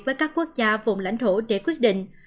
với các quốc gia vùng lãnh thổ để quyết định